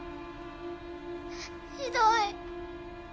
ひどい。